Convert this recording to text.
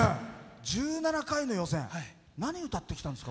１７回の予選何、歌ってきたんですか？